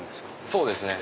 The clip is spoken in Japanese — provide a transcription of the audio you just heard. そうですね